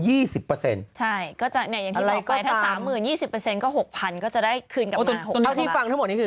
ใช่อย่างที่บอกไปถ้า๓๐๐๐๐บาท๒๐ก็๖๐๐๐บาทก็จะได้คืนกลับมา๖๐๐๐บาท